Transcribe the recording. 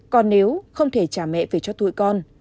còn nếu không thể trả mẹ về cho tụi con